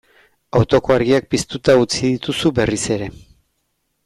Autoko argiak piztuta utzi dituzu berriz ere.